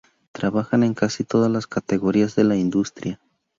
Trabajan en casi todas las categorías de la industria.